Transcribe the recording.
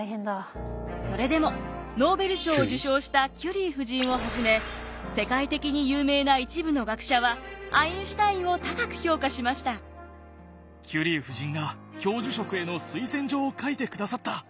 それでもノーベル賞を受賞したキュリー夫人をはじめ世界的に有名な一部の学者はキュリー夫人が教授職への推薦状を書いてくださった！